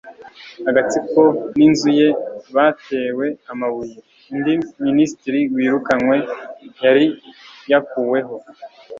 agatsiko n'inzu ye batewe amabuye. undi minisitiri wirukanwe yari yakuweho